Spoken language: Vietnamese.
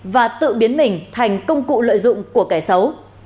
và tự biến mình thành công cụ lợi dụng của kẻ xấu